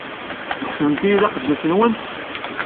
Tḥesbemt-iyi d taqeddact-nwent?